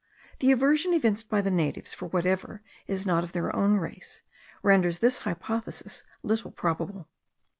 The aversion evinced by the natives for whatever is not of their own race renders this hypothesis little probable.